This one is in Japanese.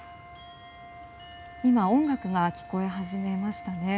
今、音楽が聴こえ始めました。